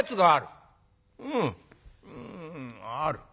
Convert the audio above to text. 「うんある」。